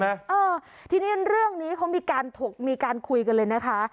เออทีนี้เรื่องนี้เขามีการถกมีการคุยกันเลยนะคะ